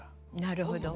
なるほど。